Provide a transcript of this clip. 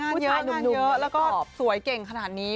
งานเยอะแล้วก็สวยเก่งขนาดนี้